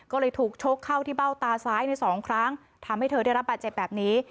ก็เลยถูกชกเข้าที่เบ้าตาซ้ายในสองครั้งทำให้เธอได้รับบาดเจ็บแบบนี้